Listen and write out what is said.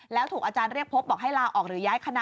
แล้วถูกอาจารย์เรียกพบบอกให้ลาออกหรือย้ายคณะ